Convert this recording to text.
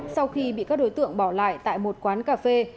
sau khi bị các đối tượng bỏ lại tại một quán cà phê